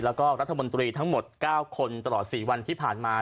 แล้วก็รัฐมนตรีทั้งหมด๙คนตลอด๔วันที่ผ่านมา